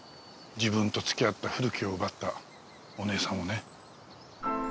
自分と付き合った古木を奪ったお姉さんをね。